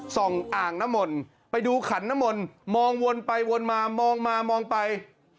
อ่างน้ำมนต์ไปดูขันนมลมองวนไปวนมามองมามองไป